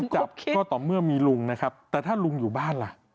ก็ต่อเมื่อมีลุงนะครับแต่ถ้าลุงอยู่บ้านล่ะ